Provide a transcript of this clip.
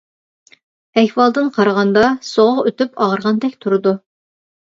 ئەھۋالدىن قارىغاندا سوغۇق ئۆتۈپ ئاغرىغاندەك تۇرىدۇ.